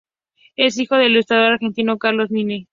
Es hijo del ilustrador argentino Carlos Nine.